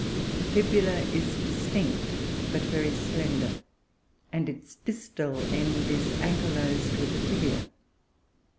The fibula is distinct, but very slender, and its distal end is ankylosed with the tibia.